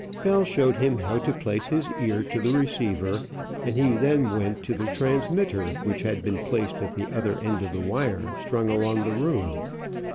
Bell showed him how to place his ear to the receiver, and he then went to the transmitter which had been placed at the other end of the wire strung along the room.